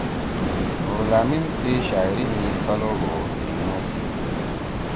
نورالامین سی شاعری می پھل او ڙو دُھوئمُو شامل تھی